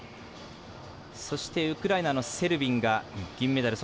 そして、ウクライナのセルビンが銀メダル。